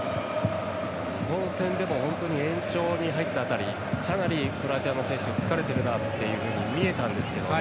日本戦でも延長に入った辺りかなりクロアチアの選手疲れてるなという感じに見えたんですけどね